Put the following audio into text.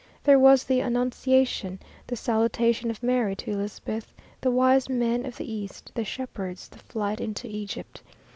There was the Annunciation the Salutation of Mary to Elizabeth the Wise Men of the East the Shepherds the Flight into Egypt.